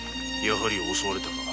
やはり襲われたか。